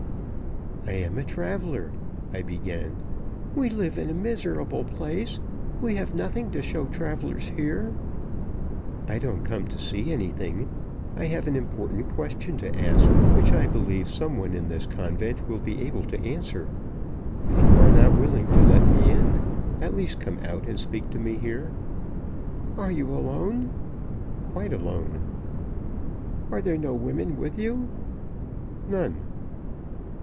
"I am a traveler " I began. "We live in a miserable place. We have nothing to show travelers here." "I don't come to see anything. I have an important question to ask, which I believe some one in this convent will be able to answer. If you are not willing to let me in, at least come out and speak to me here." "Are you alone?" "Quite alone." "Are there no women with you?" "None."